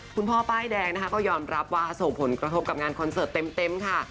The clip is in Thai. ป้ายแดงนะคะก็ยอมรับว่าส่งผลกระทบกับงานคอนเสิร์ตเต็มค่ะ